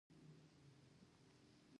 دوی دوې ورځې وخت وغوښت.